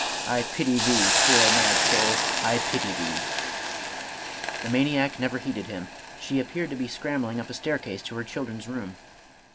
— I pity thee, poor mad soul, I pity thee !" The maniac never heeded him ; she appeared to be scrambling up a staircase to her children's room.